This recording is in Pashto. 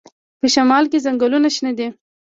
په شمال کې ځنګلونه شنه دي.